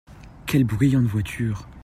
Quelles bruyantes voitures !